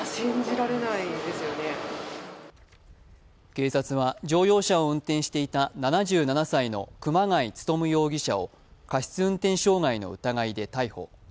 警察は乗用車を運転していた７７歳の熊谷勉容疑者を過失運転傷害の疑いで逮捕。